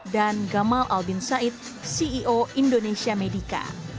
dan gamal albin said ceo indonesia medica